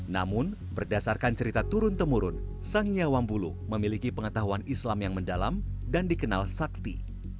namun berdasarkan cerita turun temurun sangnya wambulu memiliki pengetahuan islam yang mendalam dan dikenal sakti